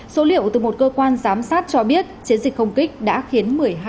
số liệu từ một cơ quan giám sát cho biết chiến dịch không kích đã khiến một mươi hai người thiệt mạng